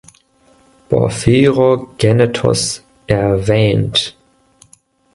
Porphyrogennetos erwähnt.